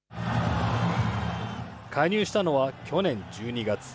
加入したのは去年１２月。